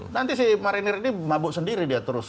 nanti si marinir ini mabuk sendiri dia terus